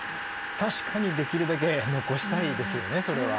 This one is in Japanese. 確かにできるだけ残したいですよねそれは。